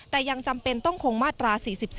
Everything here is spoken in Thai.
แต่ยังจำเป็นต้องคงมาตรา๔๔